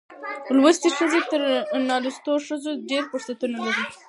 لوستې ښځې تر نالوستو ښځو ډېر فرصتونه لري.